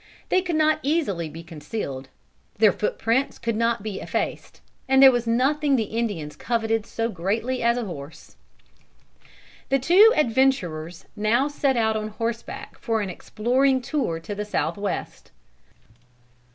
They could not easily be concealed. Their footprints could not be effaced, and there was nothing the Indians coveted so greatly as a horse. The two adventurers now set out on horseback for an exploring tour to the south west.